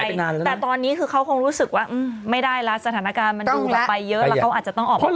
แต่ตอนนี้คือเขาคงรู้สึกว่าไม่ได้แล้วสถานการณ์มันดูออกไปเยอะแล้วเขาอาจจะต้องออกมา